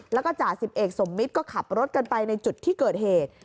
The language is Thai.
แล้วก็จ่าสิบเอกสมมิตรก็ขับรถกันไปในจุดที่เกิดเหตุ